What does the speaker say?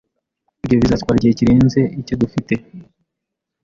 Ibyo bizatwara igihe kirenze icyo dufite.